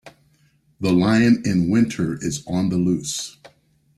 The lion in winter is on the loose.